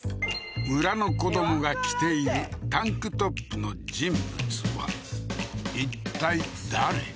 村の子どもが着ているタンクトップの人物はいったい誰？